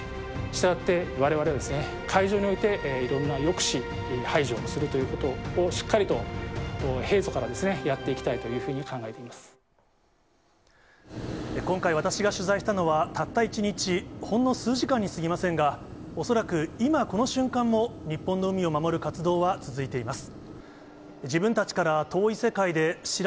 したがってわれわれは、海上において、いろんな抑止、排除をするということをしっかりと平素からやっていきたいという今回、私が取材したのはたった１日、ほんの数時間にすぎませんが、恐らく今、この瞬間も日本の海を守る活動は続いています。